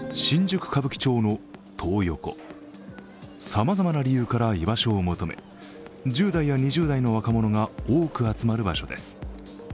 さまざまな理由から居場所を求め、１０代や２０代の若者が多く集まる場所です。